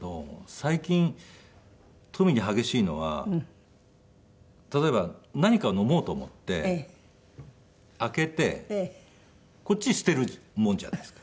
最近頓に激しいのは例えば何かを飲もうと思って開けてこっち捨てるもんじゃないですか。